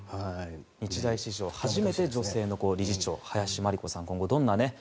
日大史上初めて女性の理事長林真理子さん、今後どんな。